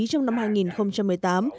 trong năm hai nghìn một mươi tám